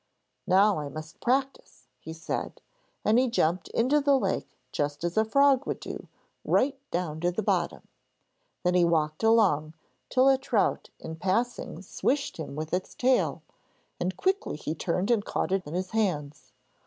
'Now I must practise,' he said, and he jumped into the lake just as a frog would do, right down to the bottom. Then he walked along, till a trout in passing swished him with its tail, and quickly he turned and caught it in his hands.